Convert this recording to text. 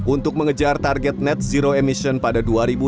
untuk mengejar target net zero emission pada dua ribu dua puluh